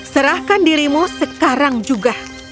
serahkan dirimu sekarang juga